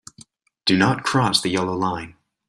Do not cross the yellow line.